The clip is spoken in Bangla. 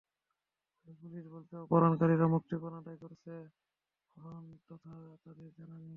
তবে পুলিশ বলেছে, অপহরণকারীরা মুক্তিপণ আদায় করেছে এমন তথ্য তাদের জানা নেই।